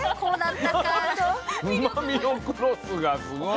うまみのクロスがすごい。